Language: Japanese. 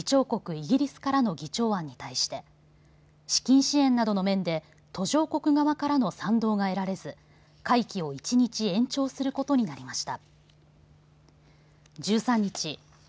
イギリスからの議長案に対して資金支援などの面で途上国側からの賛同が得られず会期を１日延長することになりました。